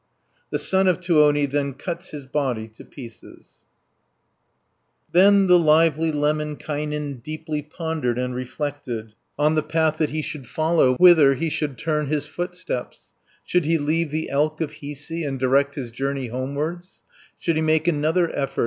The son of Tuoni then cuts his body to pieces (373 460). Then the lively Lemminkainen Deeply pondered and reflected, On the path that he should follow, Whither he should turn his footsteps, Should he leave the elk of Hiisi, And direct his journey homewards, Should he make another effort.